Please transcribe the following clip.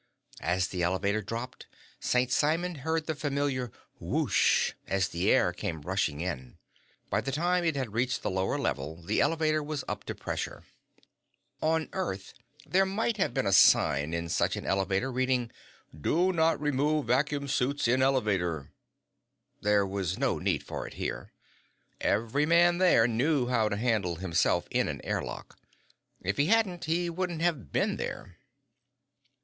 As the elevator dropped, St. Simon heard the familiar whoosh as the air came rushing in. By the time it had reached the lower level, the elevator was up to pressure. On Earth, there might have been a sign in such an elevator, reading: DO NOT REMOVE VACUUM SUITS IN ELEVATOR. There was no need for it here; every man there knew how to handle himself in an air lock. If he hadn't, he wouldn't have been there.